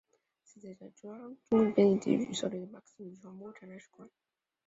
西斜街上有中共中央编译局及其设立的马克思主义传播史展览馆。